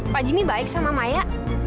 pak jimmy baik sama maya